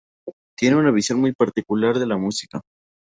Tiene una visión muy particular de la música.